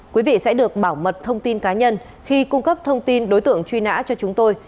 quý vị sẽ được bảo mật thông tin cá nhân khi cung cấp thông tin đối tượng truy nã cho chúng tôi